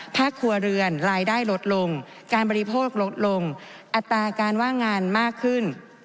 ครัวเรือนรายได้ลดลงการบริโภคลดลงอัตราการว่างงานมากขึ้น